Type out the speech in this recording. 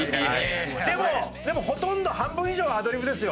でもほとんど半分以上はアドリブですよ。